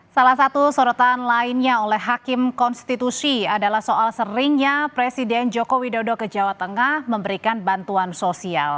salah satu sorotan lainnya oleh hakim konstitusi adalah soal seringnya presiden joko widodo ke jawa tengah memberikan bantuan sosial